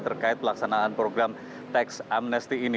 terkait pelaksanaan program teks amnesti ini